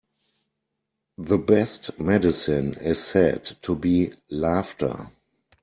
The best medicine is said to be laughter.